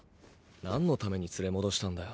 何の為に連れ戻したんだよ。